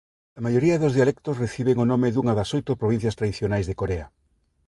A maioría dos dialectos reciben o nome dunha das oito provincias tradicionais de Corea.